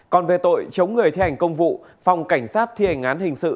còn về tội chống người thi hành công vụ phòng cảnh sát thi hành án hình sự